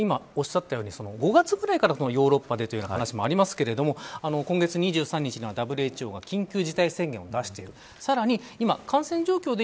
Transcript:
今、おっしゃったように５月ぐらいからヨーロッパでという話もありますが今月２３日にはＷＨＯが緊急事態宣言を出している。